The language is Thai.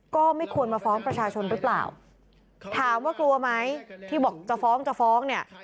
ก็ไม่ควรมาฟ้องประชาชนหรือเปล่าถามว่ากลัวไหมที่บอกจะฟ้องจะฟ้องเนี่ย